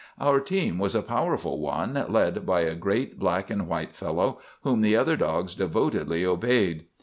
"Our team was a powerful one, led by a great black and white fellow, whom the other dogs devotedly obeyed.